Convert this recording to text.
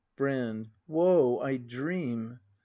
Brand. Woe, I dream!